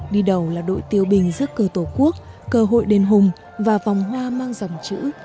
đi đầu là đội tiêu bình giấc cơ tổ quốc cơ hội đền hùng và vòng hoa mang dòng chữ